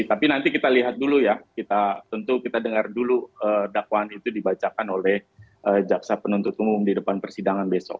tapi nanti kita lihat dulu ya tentu kita dengar dulu dakwaan itu dibacakan oleh jaksa penuntut umum di depan persidangan besok